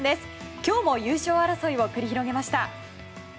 今日も優勝争いを繰り広げました。